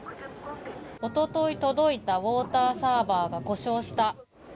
おととい届いたウオーターサーバーが故障した。